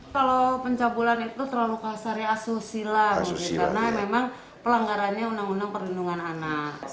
kalau pencabulan itu terlalu kasar ya asusila karena memang pelanggarannya undang undang perlindungan anak